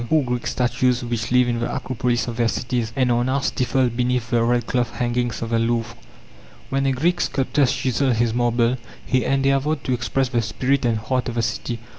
Poor Greek statues which lived in the Acropolis of their cities, and are now stifled beneath the red cloth hangings of the Louvre! When a Greek sculptor chiseled his marble he endeavored to express the spirit and heart of the city.